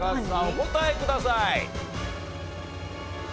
お答えください。